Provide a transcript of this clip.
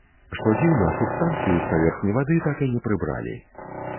Што дзіўна, субстанцыю з паверхні вады так і не прыбралі.